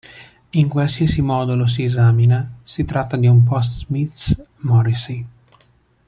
In qualsiasi modo lo si esamina si tratta di un post-Smiths Morrissey.